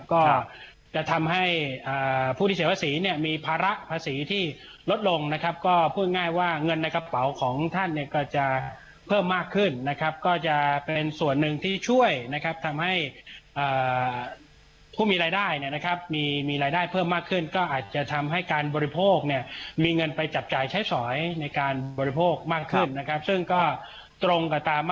ก็จะทำให้ผู้ที่เสียภาษีเนี่ยมีภาระภาษีที่ลดลงนะครับก็พูดง่ายว่าเงินในกระเป๋าของท่านเนี่ยก็จะเพิ่มมากขึ้นนะครับก็จะเป็นส่วนหนึ่งที่ช่วยนะครับทำให้ผู้มีรายได้เนี่ยนะครับมีรายได้เพิ่มมากขึ้นก็อาจจะทำให้การบริโภคเนี่ยมีเงินไปจับจ่ายใช้สอยในการบริโภคมากขึ้นนะครับซึ่งก็ตรงกับตาม